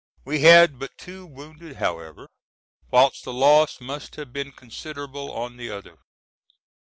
We had but two wounded however, whilst the loss must have been considerable on the other.